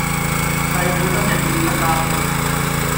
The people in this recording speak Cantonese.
細妹今日結婚啦！